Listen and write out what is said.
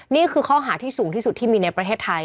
นี่คือข้อหาที่สูงที่สุดที่มีในประเทศไทย